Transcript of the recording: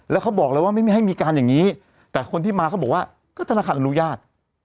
แล้วเขาบอกเลยว่าไม่มีให้มีการอย่างนี้แต่คนที่มาเขาบอกว่าก็ธนาคารอนุญาต